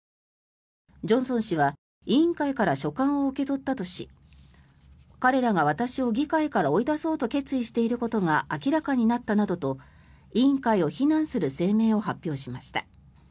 ジョンソン氏は委員会から書簡を受け取ったとし彼らが私を議会から追い出そうと決意していることが明らかになったなどと委員会を非難する声明を発表しました。